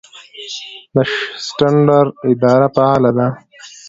د سټنډرډ اداره فعاله ده؟